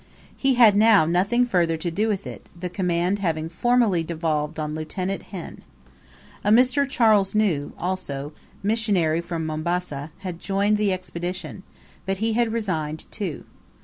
He had now nothing further to do with it, the command having formally devolved on Lieut. Henn. A Mr. Charles New, also, missionary from Mombasah, had joined the expedition, but he had resigned too.